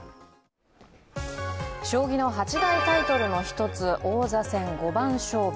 将棋の八大タイトルの一つ王座戦五番勝負。